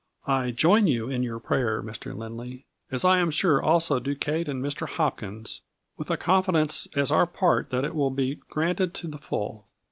I join you in your prayer, Mr. Lindley, as I am sure also do Kate and Mr. Hopkins, with a confi dence as our part that it will be granted to the full.